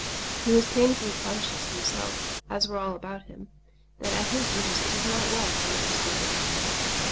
He was painfully conscious himself, as were all about him, that at his years it is not well for man to be alone.